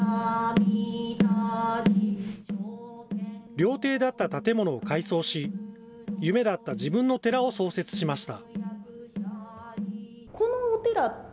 料亭だった建物を改装し、夢だった自分の寺を創設しました。